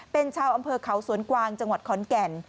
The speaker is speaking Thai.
เป็นชาวอำเภอเขาสวนกวางจังหวัดขอนแก่น